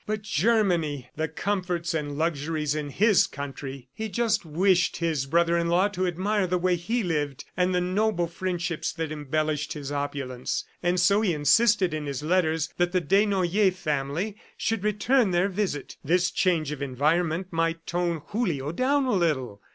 But Germany! ... The comforts and luxuries in his country! ... He just wished his brother in law to admire the way he lived and the noble friendships that embellished his opulence. And so he insisted in his letters that the Desnoyers family should return their visit. This change of environment might tone Julio down a little.